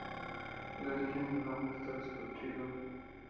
El origen del nombre está discutido.